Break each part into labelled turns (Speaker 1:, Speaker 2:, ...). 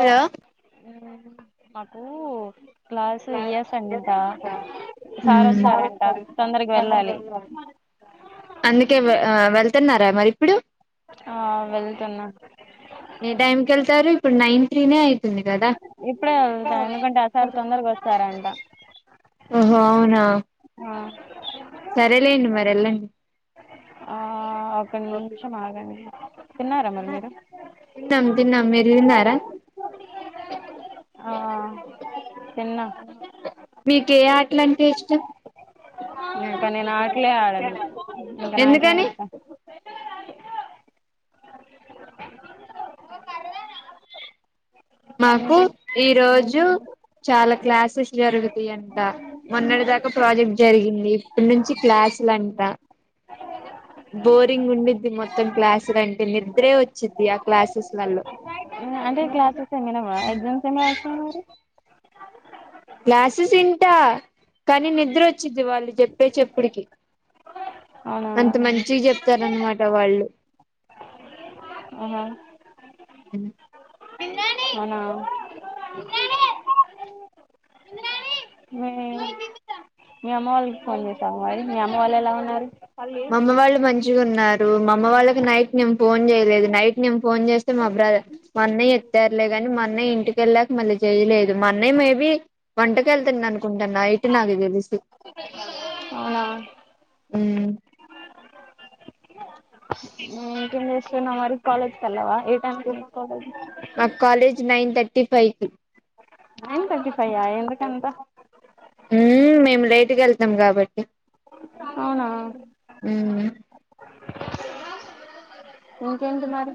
Speaker 1: Hello
Speaker 2: మాకు class ఇయస్ అంటా
Speaker 1: ఉమ్
Speaker 2: వెళ్ళాలి
Speaker 1: అందుకే వెళ్ తున్నారా మరి ఇప్పుడు
Speaker 2: ఆ వెళ్తున్నా
Speaker 1: ఏ టైమ్కి వెళ్తారు ఇప్పుడు నైన్ త్రీ నె అయి
Speaker 2: ఇప్పుడే వెళ్తాను ఎందుకంటే ఆసారి తొందరకి వస్తారంట
Speaker 1: ఓహో అవునా
Speaker 2: ఆ
Speaker 1: సరేలేండి మరి వెళ్ళండి
Speaker 2: ఆ ఒక నిమిషం ఆగాండి
Speaker 1: తిన్నాం తిన్నాం మీరుదింనారా
Speaker 2: ఆ తిన్నా
Speaker 1: మీకే ఆటల అంటే ఇష్టం
Speaker 2: ఇంకా నేను ఆట్లే ఆడను ఇంకా నాకేమి
Speaker 1: ఎందుకని
Speaker 2: ఇస్తారు
Speaker 1: మాకు
Speaker 2: ఇంకా
Speaker 1: ఈ రోజు చాలా క్లాసెస్ జరుగుతాయంట మొన్నటి దాకా ప్రాజెక్ట్ జరిగింది ఇప్పుడు నుంచి క్లాస్ వస్తాడంట బోరింగ్ ఉండిద్ది మొత్తం క్లాసులు అంటే నిద్రే వచ్చిద్ది ఆ క్లాసెస్లలో
Speaker 2: అంటే క్లాసెస్ ఏమైనా కూడా ఎగ్జామ్స్ ఏమైనా రాస్తు మరి
Speaker 1: క్లాసెస్ ఇంటా కానీ నిద్ర వచ్చింది వాళ్ళు చెప్పే చెప్పడికి
Speaker 2: అవునా
Speaker 1: అంత మంచి గా చెప్తారన్నమాట వాళ్ళు
Speaker 2: ఆ మీ
Speaker 1: స
Speaker 2: మీ అమ్మ వాళ్ళకి ఫోన్ చేసాము అది మీ అమ్మ వాళ్ళు ఎలా ఉన్నారు మళ్ళీ
Speaker 1: అమ్మ వాళ్ళు మా మంచిగా అమ్మ వాళ్ళకి నైట్ ఫోన్ చేయలేదు నైట్ నే ఫోన్ చేస్తే మా బ్రదర్ మా అన్నయ్య ఏ తెరలే గాని మొన్నయ ఇంటికెళ్ళాక మళ్ళీ చేయలేదు మొన్నయ మేబి వంటక వెళ్తున్నా కుంటన్నా నైట్ నాకు తెలుసు
Speaker 2: అవునా
Speaker 1: హ్మ్
Speaker 2: ఇంకేం చేస్తున్నావ్ మరి కాలేజ్ కెళ్ళావా
Speaker 1: మాకు కాలేజ్ నైన్ థర్టీ ఫైవ్ కి
Speaker 2: నైన్ తాటి
Speaker 1: మేము లైట్ గా వెళ్తాము కాబట్టి
Speaker 2: అవునా
Speaker 1: మ్మ్
Speaker 2: ఇంకేంటి మరి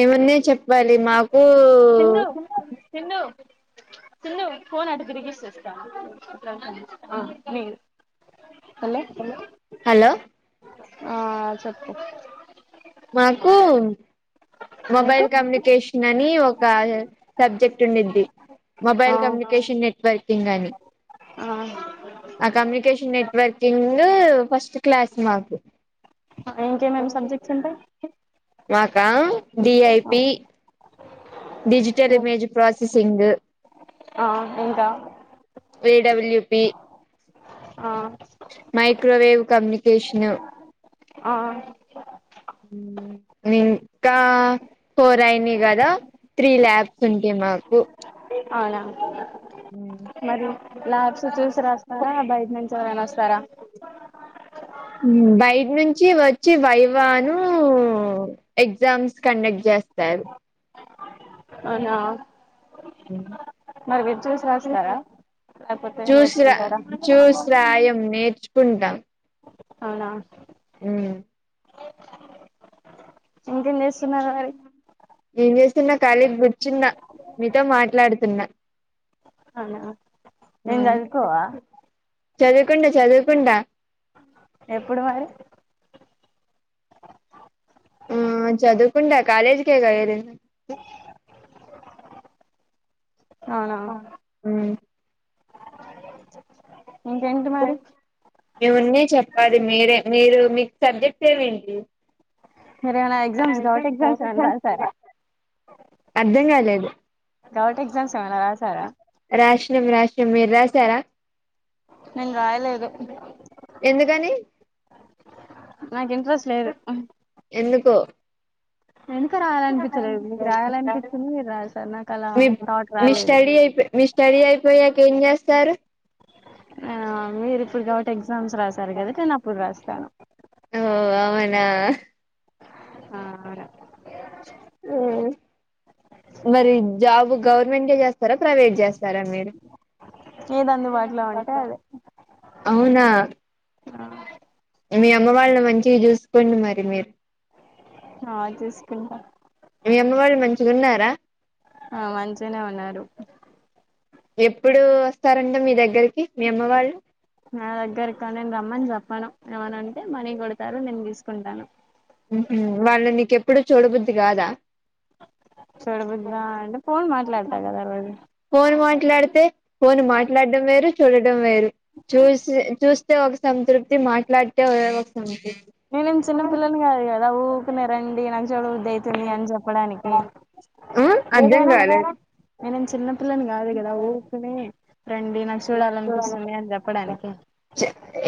Speaker 1: ఏమన్నాయీ చెప్పాలి మాకు
Speaker 2: సింధు సిధు సిందు ఫోన్ అటు తిరిగిసిస్తా మీరు
Speaker 1: హలో
Speaker 2: ఆ చెప్పు
Speaker 1: మాకు
Speaker 2: నీకు
Speaker 1: మొబైల్ కమ్యూనికేషన్ అని ఒక సబ్జెక్ట్ ఉంనిద్ది
Speaker 2: ఆ
Speaker 1: మొబైల్ కమ్యూనికేషన్ నెట్వర్కింగ్ అని
Speaker 2: ఆ
Speaker 1: ఆ కమ్యూనికేషన్ నెట్వర్కింగ్ ఫస్ట్ క్లాస్ మాకు
Speaker 2: ఇంకేమేమి సబ్జెక్ట్స్ ఉంటాయి
Speaker 1: మాకా డిఐపి డిజిటల్ ఇమేజ్ పసెసింగ్
Speaker 2: ఆ ఇంకా
Speaker 1: ఏ డబల్ యూ పి
Speaker 2: ఆ
Speaker 1: మైక్రోవేవ్ కమ్యూనికేషను
Speaker 2: ఆ
Speaker 1: మిన్ ఇంకా ఫోర్ అయినాయి కదా త్రీ ల్యాబ్స్ ఉంటాయి మాకు
Speaker 2: అవునా మరి ల్యాబ్స్ చూసి రాస్తారా బయట నుంచి ఎవరైనా వస్తారా
Speaker 1: బయట నుంచి వచ్చి వైవాను ఎగ్జామ్స్ కండక్ట్ చేయ వస్తారు
Speaker 2: అవునా మరి మీరు చూసి రాస్తారా లేకపోతే
Speaker 1: చూసిరా
Speaker 2: నేర్చుకుంటారా
Speaker 1: చూసిరాయం నేర్చుకుంటాం
Speaker 2: అవునా
Speaker 1: హ్మ్
Speaker 2: ఇంకేం చేస్తున్నారు మరి
Speaker 1: ఏం చేస్తున్నా కాళీగ కూర్చున్న మీతో మాట్లాడుతున్నా ఆ
Speaker 2: ఏం చదువుకోవా
Speaker 1: చదువుకుంటా చదువుకుంటా
Speaker 2: ఎప్పుడు మరి
Speaker 1: ఆ చదువుకుంటా కాలేజి కె కదా ఏళ్ళింది
Speaker 2: అవునా
Speaker 1: అ హ్మ్
Speaker 2: ఇంకేంటి మరి
Speaker 1: మేమున్ని చెప్పాలి మీరే మీరు మీక్ సబ్జెక్ట్ ఏంటి
Speaker 2: మీరు ఏమైనా ఎగ్జామ్స్ గవట్ ఎగ్జామ్స్ ఏమైనా రాసారా
Speaker 1: అర్థం కాలేదు
Speaker 2: గవట్ ఎగ్జామ్స్ ఏమైనా రాసారా
Speaker 1: రాశినం రాశినం మీరు రాసారా
Speaker 2: నేను రాయలేదు
Speaker 1: ఎందుకని
Speaker 2: నాకు ఇంట్రెస్ట్ లేదు
Speaker 1: ఎందుకో
Speaker 2: ఎందుకో రాయాలనిపించలేదు మీకు రాయాలనిపించింది మీరు రాసారు నాకు అలా
Speaker 1: మీ
Speaker 2: థాట్
Speaker 1: మీ
Speaker 2: రాలేదు
Speaker 1: స్టడి అయిపో మీ స్టడీ అయిపోయాక ఏం చేస్తారు
Speaker 2: ఆ మీరు ఇప్పుడు గబ్బటి ఎగ్జామ్స్ రాసారు కదా నేను అప్పుడు రాస్తాను
Speaker 1: ఓ అవునా
Speaker 2: ఆ
Speaker 1: హ్మ్ మరి జాబ్ గవర్నమెంట్ ఎ చేస్తారా ప్రైవేట్ చేస్తారా మీరు
Speaker 2: ఏది అందుబాటులో ఉంటే అదే
Speaker 1: అవునా మీ అమ్మ వాళ్ళ ను మంచిగా చూసుకోండి మరి మీరు
Speaker 2: ఆ చూసుకుంటా
Speaker 1: మీ అమ్మ వాళ్ళు మంచిగా ఉన్నారా
Speaker 2: ఆ మంచిగనే ఉన్నారు
Speaker 1: ఎప్పుడు వస్తారంట మీ దగ్గరికి మీ అమ్మ వాళ్ళు
Speaker 2: నా దగ్గరకా నేను రమ్మని చెప్పను ఎమనంటే మనీ కొడతారు నేను తీసుకుంటాను
Speaker 1: హ్మ్ హు వాళ్ళు నీకు ఎప్పుడు చూడబుద్ది కాదా
Speaker 2: చూడబుద్దా అంటే ఫోన్ మాట్లాడతా కదా రోజు
Speaker 1: ఫోన్ మాట్లాడితే ఫోన్ మాట్లాడం వేరు చూడడం వేరు చూసి చూస్తే ఒక సంతృప్తి మాట్లాడితే ఎ వస్తూన్ మీకీ
Speaker 2: నేను ఏం చిన్న పిల్లని కాదు కదా ఊకునే న రండి నాకు చూడబుధైతుంది అని చెప్పడానికి
Speaker 1: ఆ అర్ధం
Speaker 2: ఏదైనా
Speaker 1: కాలేదు
Speaker 2: నేనేం చిన్న పిల్లని కాదు కదా ఊకనే రండి నాకు చూడాలనిపిస్తుంది అని చెప్పడానికి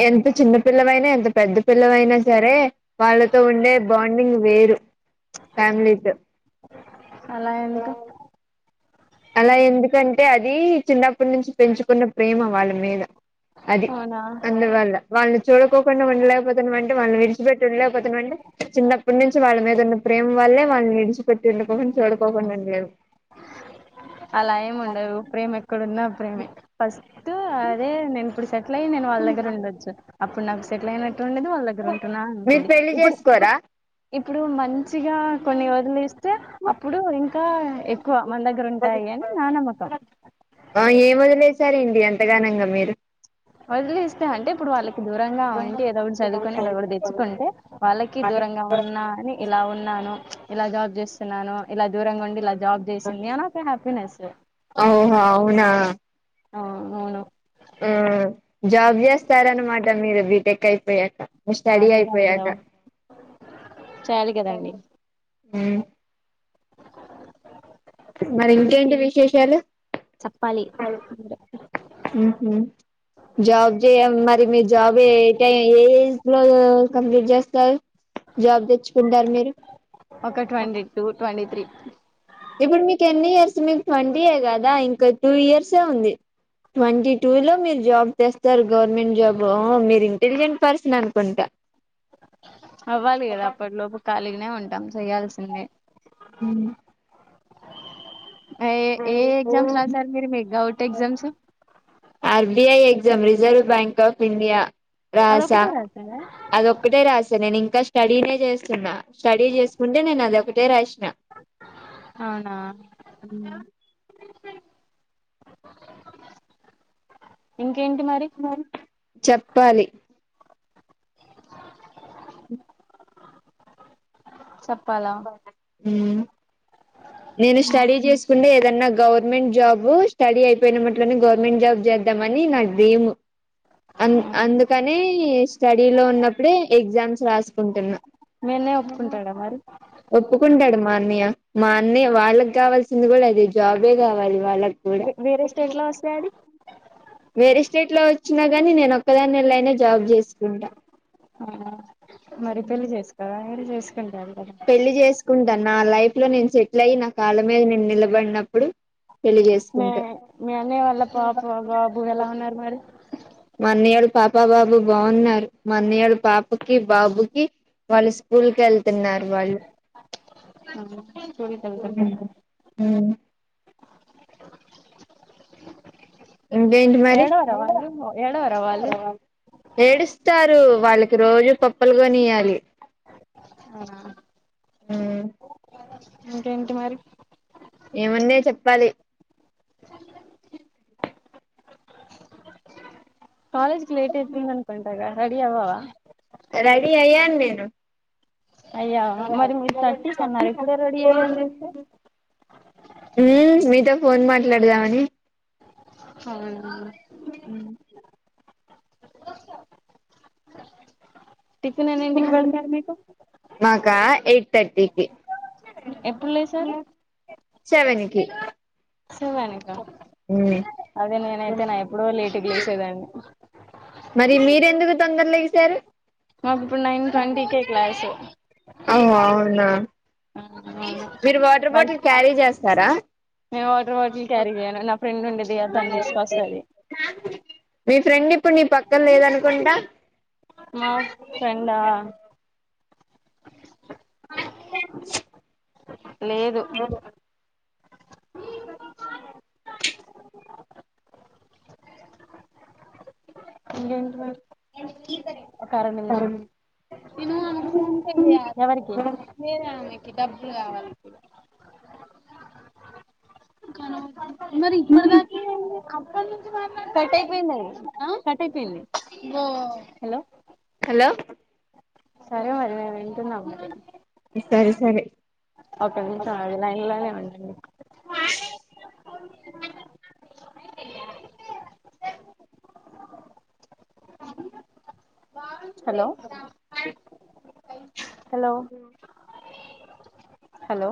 Speaker 1: ఎంత చిన్న పిల్లవైనా ఎంత పెద్ద పిల్లవైనా సరే వాళ్ళతో ఉండే బాండింగ్ వేరు ఫ్యామిలీతో
Speaker 2: అలా ఎందుకు
Speaker 1: అలా ఎందుకంటే అది చిన్నప్పటి నుంచి పెంచుకున్న ప్రేమ వాళ్ళ మీద అది
Speaker 2: అవునా
Speaker 1: అందువల్ల వాళ్ళు చూడకోకుండా ఉండలేకపోతున్నామంటే వాళ్ళని విడిచిపెట్టి ఉండలేకపోతున్నా అంటే చిన్నప్పటి నుంచి వాళ్ళ మీద ఉన్న ప్రేమ వ అల్లే వాళ్ళని విడిచిపట్టి ఉండకోకున్న చూడుకోకుండ ఉండ లేవు
Speaker 2: అలా ఏమి ఉండదు ప్రేమ ఎక్కడున్నా ప్రేమే ఫస్ట్ అదే నేను ఇప్పుడు సె సెట్లయ్ నేను వాళ్ళ దగ్గర ఉండోచ్చు అప్పుడు నాకు సెట్ల అయిన టు ఉండదు వాళ్ళ దగ్గర ఉంటున్నా అని
Speaker 1: మీరు
Speaker 2: ఉంటది
Speaker 1: పెళ్లి
Speaker 2: ఇప్పుడు
Speaker 1: చేసుకోరా
Speaker 2: ఇప్పుడు మంచిగా కొన్ని వొదిలేస్తే అప్పుడు ఇంకా ఎక్కువ మన దగ్గర ఉం టై అని నా నమ్మకం
Speaker 1: ఆ ఏం వదిలేసారండి అంతగానంగా మీరు
Speaker 2: వదిలేస్తే అంటే ఇప్పుడు వాళ్ళకి దూరంగా ఉంటే ఏదో ఒక చదుకుని ఏదో ఒకటి తెచ్చుకుంటే వాళ్ళకి దూర ఇగ ఉన్నా అని ఇలా ఉన్నాను ఇలా జాబ్ చేస్తున్నాను ఇల దూరంగా ఉండి ఇల జాబ్ చేసింది అని ఒక హ్యాపీనెస్
Speaker 1: ఓహో అవునా
Speaker 2: ఆ అవును
Speaker 1: ఆ జాబ్ చేస్తారనమాట మీరు బి టెక్ అయిపోయాక మి
Speaker 2: ఆ
Speaker 1: స్టడీ అయిపోయట
Speaker 2: చాలి కదండి
Speaker 1: ఊ మరి ఇంకేంటి విశేషాలు
Speaker 2: ప్పాలి
Speaker 1: ఊహు జాబ్ చేయము మరి మీ జాబ్ ఏటై ఏ ఎటిలో కంప్లీట్ చేస్
Speaker 2: ఒక ట్వంటీ టూ ట్వంటీ త్రీ
Speaker 1: ఇప్పు మీకెన్ని ఇయర్స్ గదా ఇంక టూ ఇయర్సే ఉంది ట్వంటీ టూ లో మీరు జాబ్ తెస్తారు గవర్నమెంట్ జాబ్ మీరు ఇంటెలిజెంట్ పర్సన్ అనుకుంటా
Speaker 2: అవ్వాలి గదా అప్పటిలోపు ఖాళీగానే ఉంటాం చెయ్యాల్సిందే ఏ ఏ ఎగ్జామ్స్ రాశారు మీరు మీ govt exams
Speaker 1: R B I reserve bank of India రాసా
Speaker 2: అదొకటే రాసారా
Speaker 1: అదొక్కటే రాసా నేనింకా స్టడీనేే చేస్తున్నా స్టడీ చేసుకుంటే నేను అదొకటే రాష్
Speaker 2: అవునా [inaudible]
Speaker 1: చెప్పాలి
Speaker 2: చెప్పాలా
Speaker 1: నేను స్టడీ చేసుకుండే దన్నా గవర్నమెంట్ జాబ్ స్టడీ అయిపోయిన మట్లోనే గవర్నమెంట్ జాబ్ జేద్దామని నాకు డ్రీమ్ అందుకని స్టడీ లో ఉన్నప్పుడే ఎగ్జామ్స్ రాసుకుంటున్నా
Speaker 2: మీఅన్నయ్ ఒప్పుకుంటాడా మరి
Speaker 1: ఒప్పుకుంటాడు మా అన్నయ్య మా అన్నయ్య వాళ్ళకి గావల్సింది కూడా అదే జాబే గావాలి. వాళ్ళ గూడ
Speaker 2: వేరే స్టేట్ లో వస్తే అది
Speaker 1: వేరే స్టేట్ లో వచ్చినా గాని నేను ఒక్కదానెలయ్యినా జాబ్ చేసుకుంటా
Speaker 2: మరి పెళ్లి చేసు కోవ
Speaker 1: పెళ్లి చేసుకుంటాను నా లైఫ్ లో నేను సెటిల్ అయ్యి నా కాళ్ళ మీద నేను నిలబడినప్పుడు పెళ్లి చేసుకుంటా
Speaker 2: మీ అన్నయ వాళ్ళ పాప బాబు ఎలా ఉన్నారు మరి
Speaker 1: మాన్నయాళ్ళ పాప బాబు బాగున్నారు మాన్నయాళ్ పాపకి బాబుకి వాళ్ళు స్కూల్ కెళ్ తిన్నారు వాళ్ళు
Speaker 2: స్కూల్కి వెళ్తున్నారు
Speaker 1: ఇంకేంటి మరి
Speaker 2: ఏడవరా వాళ్ళు ఏడవరా వాళ్ళు
Speaker 1: ఏడుస్తారు వాళ్ళకి రోజు పప్పలు గొనీయ్యాలి
Speaker 2: ఆ
Speaker 1: మ్
Speaker 2: ఇంకేంటి మరి
Speaker 1: ఏముందే చెప్పాలి
Speaker 2: కాలేజ్ కి లేట్ అయితుంద అన్కుంటగా రెడి అవ్వవా
Speaker 1: రెడీ అయ్యాన్ నేను [inaudible]
Speaker 2: అయ్యావా మరి మీరు థర్టీకి అన్నారు ఇప్పుడే రెడీ అయ్యాను తెలుస్తే
Speaker 1: మ్మ్ మీతో ఫోన్ మాట్లాడదామని
Speaker 2: అవునవును
Speaker 1: ఊ
Speaker 2: టిఫిన్ ఎన్నింటికి పెడతారు మీకు
Speaker 1: గా ఎయిట్ తథర్టీకి
Speaker 2: ఎప్పుడు లే సారు
Speaker 1: సెవెన్ కు
Speaker 2: నుక అదే నేనైతే నా ఎప్పుడో లేటుగా లేసేదాన్ని
Speaker 1: మరి మీరెందుకు తొందర లేగిసారు
Speaker 2: మాకు ఇప్పుడు
Speaker 1: నైన్
Speaker 2: ట్వంటీకే క్లాసు
Speaker 1: అవు అవునా మీరు వాటర్
Speaker 2: మళ్
Speaker 1: బాటిల్ క్యారీ చేస్తారా
Speaker 2: నేను వాటర్ బాటిల్
Speaker 1: నాకు
Speaker 2: క్యారీ చేయను నా ఫ్రెండ్ ఉండేది తను తీసుకొస్తది
Speaker 1: [inaudible] మీ ఫ్రెండ్ ఇప్పుడు నీ పక్కన లేదనుకుంటా
Speaker 2: మా ఫ్రెండ్ ఆ లేదు ఇంకేంటి మరి ఒక అర నిమిషం నేను ఆమెకి ఫోన్ పే చేయాలి ఎవరికి వేరే అమె డబ్బులు కావాలి ఇప్పుడు కానీ
Speaker 1: ఉమ్
Speaker 2: మరి ఇప్పటి దాక ఏముఅయేది అప్పటి నుంచి మాట్లాడుతే కట్ అయిపోయింది హ కట్ అయిపోయింది ఓ హలో
Speaker 1: హలో
Speaker 2: సరే మరి మేము వింటున్నాంము మరి
Speaker 1: సరే సరే
Speaker 2: ఒక్క నిమిషం ఆగు లైన్ లోనే ఉండు నువు హలో హలో హలో